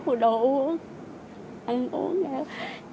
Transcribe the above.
mua đồ uống